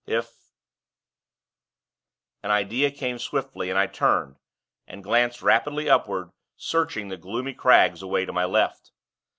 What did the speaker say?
'If ' An idea came swiftly, and I turned, and glanced rapidly upward, searching the gloomy crags, away to my left.